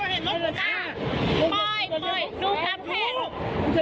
แล้วพี่แช่ทำไมพี่ก็เห็นรถผมมา